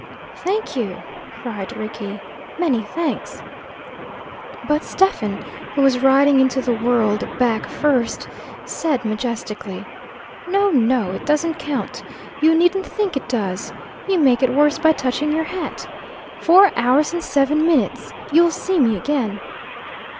"Thank you," cried Rickie; "many thanks." But Stephen, who was riding into the world back first, said majestically, "No, no; it doesn't count. You needn't think it does. You make it worse by touching your hat. Four hours and seven minutes! You'll see me again."